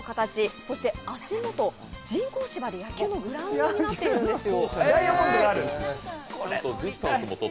そして足元、人工芝で野球のグラウンドになっているんですよ。